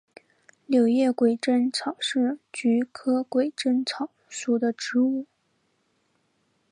柳叶鬼针草是菊科鬼针草属的植物。